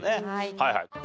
はいはい。